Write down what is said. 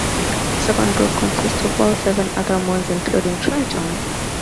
The second group consists of all seven other moons including Triton.